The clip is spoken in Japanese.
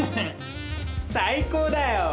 最高だよ！